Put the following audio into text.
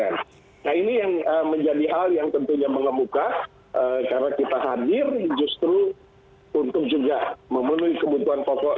nah ini yang menjadi hal yang tentunya mengemuka karena kita hadir justru untuk juga memenuhi kebutuhan pokok